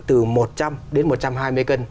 từ một trăm linh đến một trăm hai mươi cân